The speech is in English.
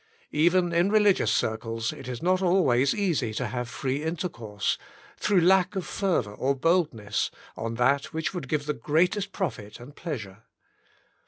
Even in religious circles it is not always easy to have free intercourse, through lack of fervour or boldness, on that which would give the greatest profit and pleasure.